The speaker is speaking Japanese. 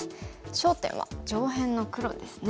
焦点は上辺の黒ですね。